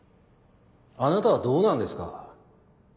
あなたはどうなんですか？